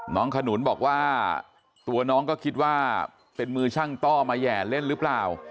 ขนุนบอกว่าตัวน้องก็คิดว่าเป็นมือช่างต้อมาแห่เล่นหรือเปล่า